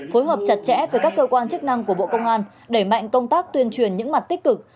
phối hợp chặt chẽ với các cơ quan chức năng của bộ công an đẩy mạnh công tác tuyên truyền những mặt tích cực